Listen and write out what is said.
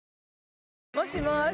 もしもーし